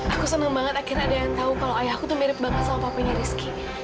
aku seneng banget akhirnya ada yang tau kalau ayahku tuh mirip banget sama papanya rizky